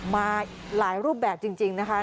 มาหลายรูปแบบจริงนะคะ